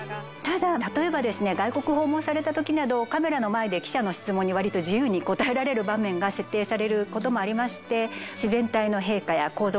ただ例えば外国を訪問された時などカメラの前で記者の質問に割と自由に答えられる場面が設定されることもありまして。